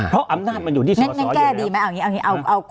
เพราะอำนาจมันอยู่ที่สอเลยแล้ว